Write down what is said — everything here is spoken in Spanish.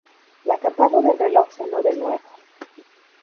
La campana del reloj sonó de nuevo.